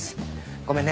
ごめんね。